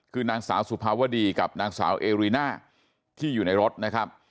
คือนางสาวสุภาวดีกับนางสาวเอรีน่าที่อยู่ในรถนะครับ